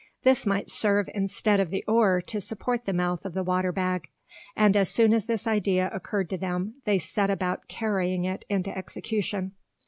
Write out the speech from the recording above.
This might serve instead of the oar to support the mouth of the water bag; and as soon as this idea occurred to them they set about carrying it into execution.